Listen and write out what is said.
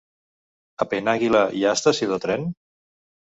A Penàguila hi ha estació de tren?